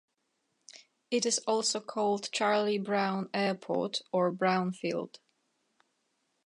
It is also called Charlie Brown Airport or Brown Field.